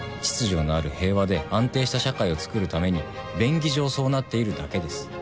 秩序のある平和で安定した社会をつくるために便宜上そうなっているだけです。